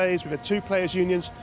kita memiliki dua perusahaan pemain